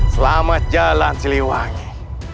selamat jalan siliwangi